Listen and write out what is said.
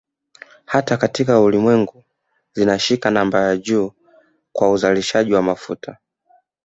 Hata katika Ulimwengu zinashika namba ya juu kwa uzalishaji wake wa mafuta